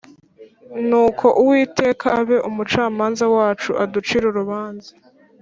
Nuko Uwiteka abe umucamanza wacu aducire urubanza